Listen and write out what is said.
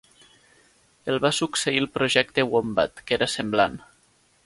El va succeir el projecte Wombat, que era semblant.